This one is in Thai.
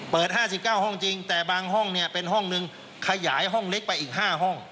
๕๙ห้องจริงแต่บางห้องเนี่ยเป็นห้องหนึ่งขยายห้องเล็กไปอีก๕ห้อง